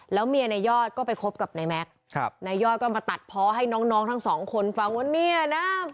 แล้วเมียนายยอดก็ไปคบกับนายแม็กซ์นายยอดก็มาตัดเพาะให้น้องทั้งสองคนฟังว่าเนี่ยนะ